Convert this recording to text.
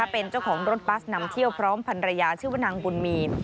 เป็นเจ้าของรถบัสนำเที่ยวพร้อมพันรยาชื่อว่านางบุญมีน